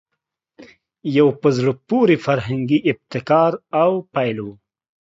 یو په زړه پورې فرهنګي ابتکار او پیل وو